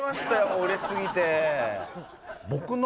もう嬉しすぎて。